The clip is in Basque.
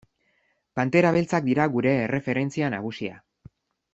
Pantera Beltzak dira gure erreferentzia nagusia.